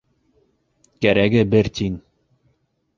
Кәрәге бер тин!